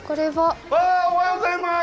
おはようございます！